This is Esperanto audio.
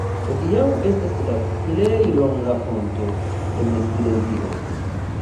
Hodiaŭ estas la plej longa ponto en Silezio.